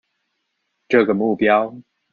這個目標